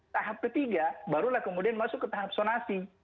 tahap ketiga barulah kemudian masuk ke tahap sonasi